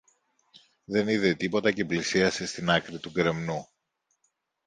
δεν είδε τίποτα και πλησίασε στην άκρη του γκρεμνού.